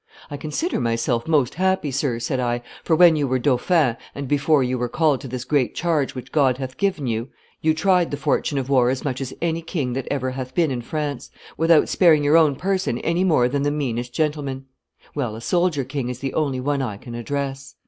'I consider myself most happy, sir,' said I, 'for when you were dauphin, and before you were called to this great charge which God hath given you, you tried the fortune of war as much as any king that ever hath been in France, without sparing your own person any more than the meanest gentleman. Well, a soldier king is the only one I can address.